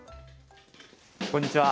こんにちは。